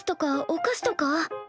お菓子とか？